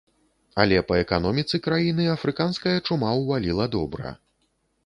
Але па эканоміцы краіны афрыканская чума ўваліла добра.